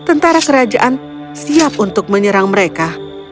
tentara kerajaan siap untuk menyerang mereka